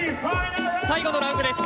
最後のラウンドです。